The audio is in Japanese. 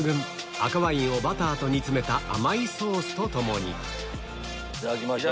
赤ワインをバターと煮つめた甘いソースと共にいただきましょう。